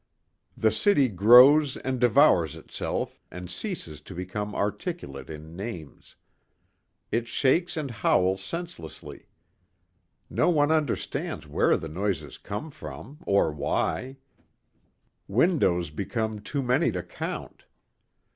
The city grows and devours itself and ceases to become articulate in names. It shakes and howls senselessly. No one understands where the noises come from or why. Windows become too many to count.